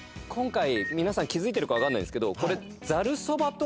今回皆さん気付いてるか分かんないですけどこれ。